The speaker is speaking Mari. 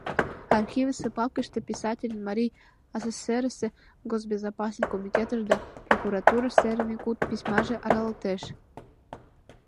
Архивысе папкыште писательын Марий АССР-ысе госбезопасность комитетыш да прокуратурыш серыме куд письмаже аралалтеш.